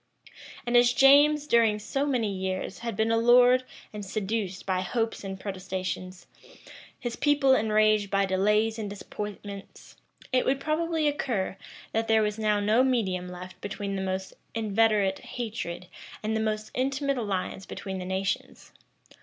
[*] And as James, during so many years, had been allured and seduced by hopes and protestations, his people enraged by delays and disappointments, it would probably occur, that there was now no medium left between the most inveterate hatred and the most intimate alliance between the nations.